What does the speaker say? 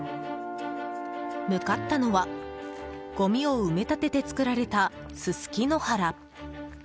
向かったのはごみを埋め立てて作られたススキ野原。